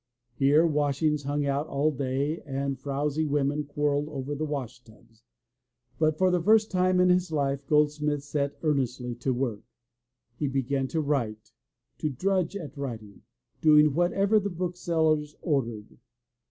Here washings hung out all day and frowsy women quarreled over the washtubs, but for the first time in his life Goldsmith set earnestly to work. He began to write, to drudge at writing, doing whatever the booksellers ordered.